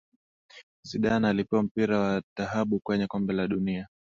Zidane alipewa mpira wa dhahabu kwenye kombe la dunia